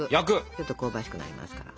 ちょっと香ばしくなりますから。